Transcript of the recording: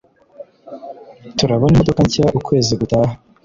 Turabona imodoka nshya ukwezi gutaha.